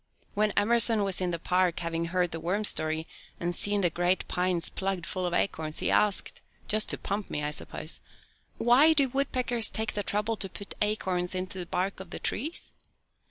When Emerson was in the park, having heard the worm story, and seen the great pines plugged full of acorns, he asked (just to pump me, I suppose): "Why do woodpeckers take the trouble to put acorns into the bark of the trees?"